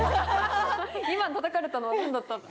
今のたたかれたのはなんだったの？